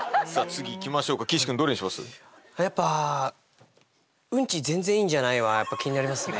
やっぱ「ウンチ全然いいじゃない！」はやっぱ気になりますね。